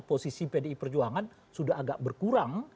posisi pdi perjuangan sudah agak berkurang